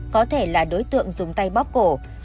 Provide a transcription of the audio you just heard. có thể là đối tượng dùng tay bóp cổ